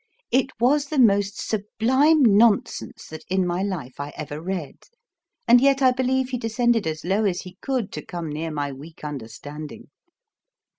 It was the most sublime nonsense that in my life I ever read; and yet, I believe, he descended as low as he could to come near my weak understanding.